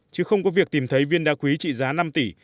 chứ không có việc tìm thấy viên đá quý trị giá năm tỷ